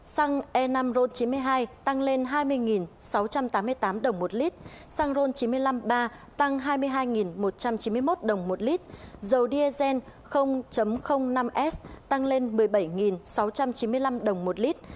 xăng e năm ron chín mươi hai tăng lên hai mươi sáu trăm tám mươi tám đồng một lít xăng ron chín trăm năm mươi ba tăng hai mươi hai một trăm chín mươi một đồng một lít dầu diesel năm s tăng lên một mươi bảy sáu trăm chín mươi năm đồng một lít